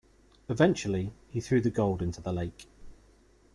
Eventually, he threw the gold into the lake.